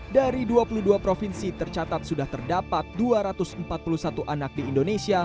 dari dua puluh dua provinsi tercatat sudah terdapat dua ratus empat puluh satu anak di indonesia